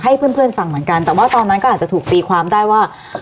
ให้เพื่อนเพื่อนฟังเหมือนกันแต่ว่าตอนนั้นก็อาจจะถูกตีความได้ว่า